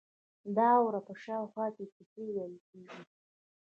د اور په شاوخوا کې کیسې ویل کیږي.